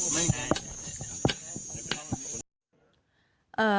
ไม่